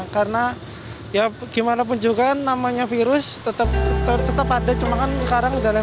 karena ya gimana pun juga namanya virus tetap ada cuma kan sekarang udah level